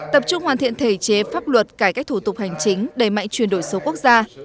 tập trung hoàn thiện thể chế pháp luật cải cách thủ tục hành chính đầy mạnh chuyển đổi số quốc gia